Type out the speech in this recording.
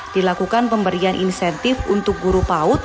dilakukan pemberian insentif untuk guru paut